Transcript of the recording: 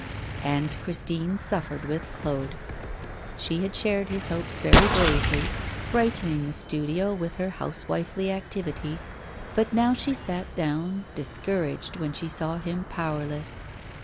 And Christine suffered with Claude. She had shared his hopes very bravely, brightening the studio with her housewifely activity; but now she sat down, discouraged, when she saw him powerless.